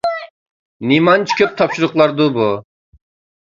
نېمانچە كۆپ تاپشۇرۇقلاردۇ بۇ؟